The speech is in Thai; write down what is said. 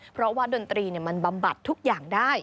เพราะว่าดนตรีมันบำบัดทุกอย่างได้